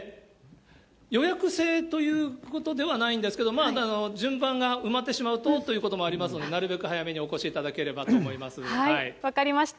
予約制ということではないんですけど、順番が埋まってしまうということもありますのでなるべく早めにお分かりました。